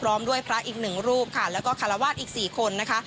พร้อมด้วยพระอีกหนึ่งรูปค่ะแล้วก็คารวาสอีก๔คนนะคะ